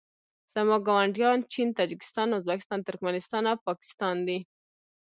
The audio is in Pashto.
زما ګاونډیان چین تاجکستان ازبکستان ترکنستان ایران او پاکستان دي